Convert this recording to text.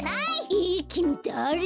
ええっきみだれ？